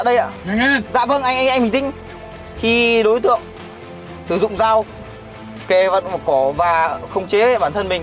đây ạ dạ vâng anh anh anh bình tĩnh khi đối tượng sử dụng dao kè vật cỏ và không chế bản thân mình